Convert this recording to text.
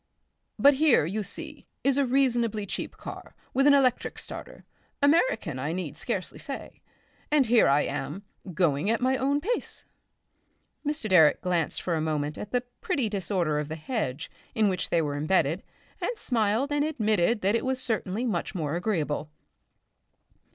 But here, you see, is a reasonably cheap car with an electric starter American, I need scarcely say. And here I am going at my own pace." Mr. Direck glanced for a moment at the pretty disorder of the hedge in which they were embedded, and smiled and admitted that it was certainly much more agreeable.